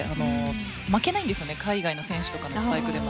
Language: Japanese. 負けないんですよね海外の選手とかのスパイクにも。